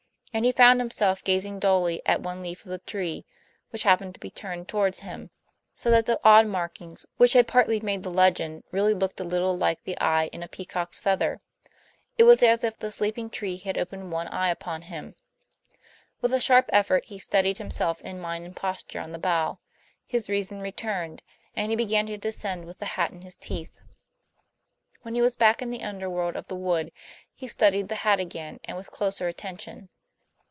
And he found himself gazing dully at one leaf of the tree, which happened to be turned toward him, so that the odd markings, which had partly made the legend, really looked a little like the eye in a peacock's feather. It was as if the sleeping tree had opened one eye upon him. With a sharp effort he steadied himself in mind and posture on the bough; his reason returned, and he began to descend with the hat in his teeth. When he was back in the underworld of the wood, he studied the hat again and with closer attention.